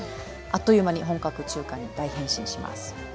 あっという間に本格中華に大変身します。